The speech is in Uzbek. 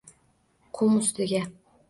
Qum ustiga